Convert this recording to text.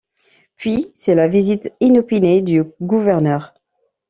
Puis, c’est la visite inopinée du gouverneur.